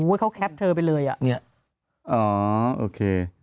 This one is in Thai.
เขาแคปเธอไปเลยอ่ะเนี่ยอ๋อโอเค